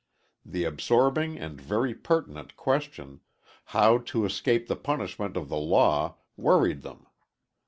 The absorbing and very pertinent question: How to escape the punishment of the law worried them.